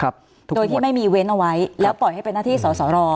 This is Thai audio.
โดยที่ไม่มีเว้นเอาไว้แล้วปล่อยให้เป็นหน้าที่สอสอรอ